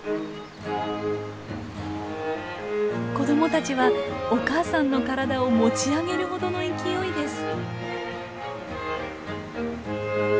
子どもたちはお母さんの体を持ち上げるほどの勢いです。